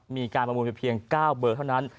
มีการประมูลไปเพียง๙เบอร์เท่านั้น